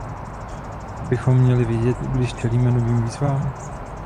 Co bychom měli vědět, když čelíme novým výzvám?